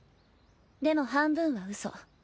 でも半分はウソ。